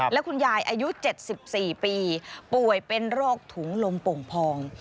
และคุณยายอายุ๗๔ปีป่วยเป็นโรคถุงลมโป่งพอง